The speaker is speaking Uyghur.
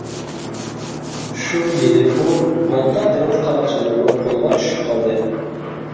شۇ يىلى ئۇ مالتا دېڭىز قاراقچىلىرىنىڭ قولىغا چۈشۈپ قالدى.